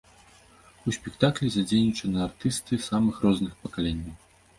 У спектаклі задзейнічаны артысты самых розных пакаленняў.